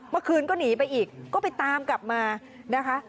เมื่อคืนก็หนีไปอีกก็ไปตามกลับมานะคะ